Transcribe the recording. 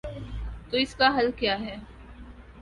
تو اس کا حل کیا ہے؟